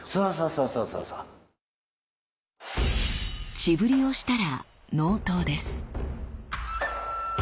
血振りをしたら納刀です。